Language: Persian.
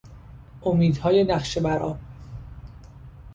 امیدهای نقش برآب